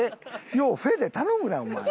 よう「フェ」で頼むなあお前。